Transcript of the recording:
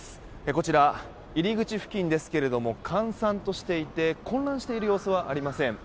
こちら、入り口付近ですが閑散としていて混乱している様子はありません。